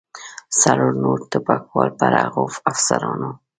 څلور نور ټوپکوال پر هغو افسرانو.